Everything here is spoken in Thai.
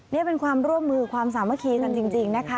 นี่เป็นความร่วมมือความสามัคคีกันจริงนะคะ